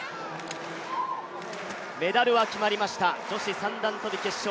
メダルは決まりました、女子三段跳決勝。